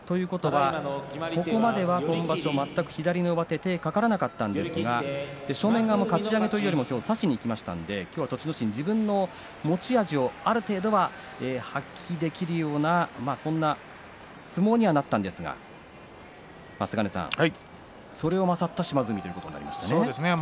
ここまでは今場所全く左の上手手がかからなかったんですが正面側のかち上げというより差しにいきましたので今日は栃ノ心、自分の持ち味ある程度は発揮できるようなそんな相撲にはなったんですがそれを勝った島津海ですね。